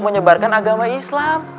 menyebarkan agama islam